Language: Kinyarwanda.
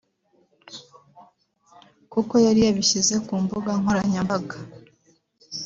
kuko yari yabishyize ku mbuga nkoranyambaga